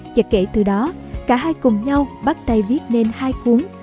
và kể từ đó cả hai cùng nhau bắt tay viết nên hai cuốn